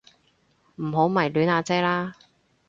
唔好迷戀阿姐啦